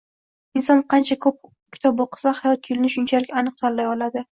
Inson qancha ko‘p kitob o‘qisa, hayot yo‘lini shunchalik aniq tanlay oladi.